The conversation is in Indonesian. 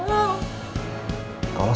kamu akan bisa ketemu nino